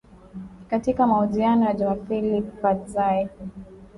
Katika mahojiano ya Jumapili Fadzayi